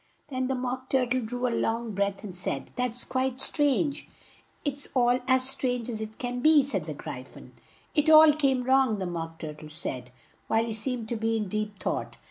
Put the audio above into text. Then the Mock Tur tle drew a long breath and said, "That's quite strange!" "It's all as strange as it can be," said the Gry phon. "It all came wrong!" the Mock Tur tle said, while he seemed to be in deep thought.